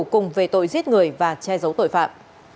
cùng về tội giết người và che giấu tội phạm